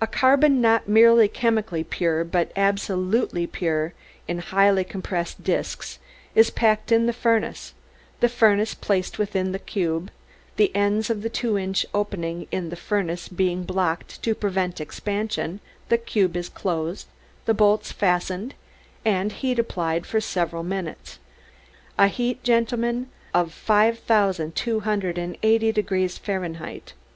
"A carbon not merely chemically pure but absolutely pure, in highly compressed disks, is packed in the furnace, the furnace placed within the cube, the ends of the two inch opening in the furnace being blocked to prevent expansion, the cube closed, the bolts fastened, and heat applied, for several minutes a heat, gentlemen, of five thousand two hundred and eighty degrees Fahrenheit.